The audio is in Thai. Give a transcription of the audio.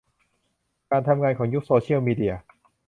การทำงานยุคโซเซียลมีเดีย